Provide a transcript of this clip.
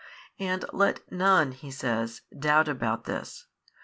And let none (He says) doubt about this.